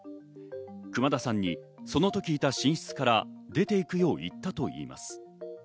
熊田さんにその時いた寝室から出て行くよう言ったといいます。